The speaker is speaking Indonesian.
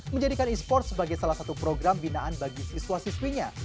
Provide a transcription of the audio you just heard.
menjadikan e sports sebagai salah satu program binaan bagi siswa siswinya